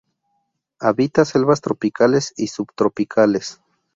Habita selvas tropicales y subtropicales.